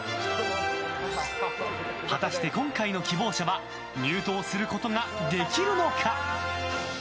果たして、今回の希望者は入党することができるのか。